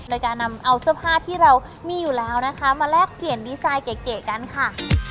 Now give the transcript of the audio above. โดยการนำเอาเสื้อผ้าที่เรามีอยู่แล้วนะคะมาแลกเปลี่ยนดีไซน์เก๋กันค่ะ